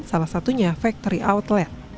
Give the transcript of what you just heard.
salah satunya factory outlet